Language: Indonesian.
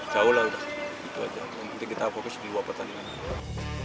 gitu aja nanti kita fokus di dua pertandingannya